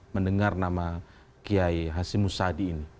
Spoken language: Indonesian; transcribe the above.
mendengar nama kiai hasim musadi ini